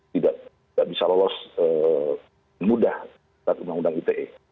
tidak bisa lolos mudah saat undang undang ite